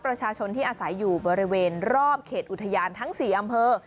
ประชาชนที่อาศัยอยู่บริเวณรอบเขตอุทยานทั้ง๔อำเภอ